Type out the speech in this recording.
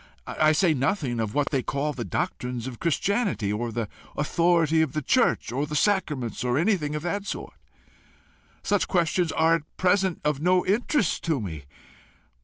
I say nothing of what they call the doctrines of Christianity, or the authority of the church, or the sacraments, or anything of that sort. Such questions are at present of no interest to me.